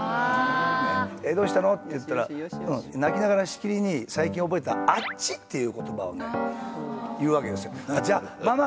あ！って言ったら泣きながらしきりに最近覚えた「あっち」っていう言葉をね言うわけですよ。